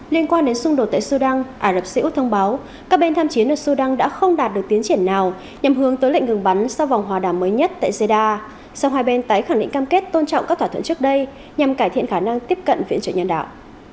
liên quan đến xung đột tại sudan ả rập xê út thông báo các bên tham chiến ở sudan đã không đạt được tiến triển nào nhằm hướng tới lệnh ngừng bắn sau vòng hòa đàm mới nhất tại jeda song hai bên tái khẳng định cam kết tôn trọng các thỏa thuận trước đây nhằm cải thiện khả năng tiếp cận viện trợ nhân đạo